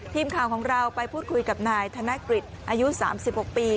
พิมพ์ของเราไปพูดคุยกับนายธนกฤษอายุสามสิบหกปี